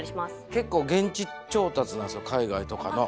結構、現地調達なんですよ、海外とかの。